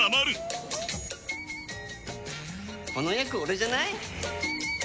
この役オレじゃない？